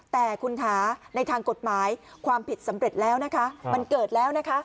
แต่คุณคะในทางกฎหมายความผิดสำเร็จแล้วนะคะมันเกิดแล้วนะคะ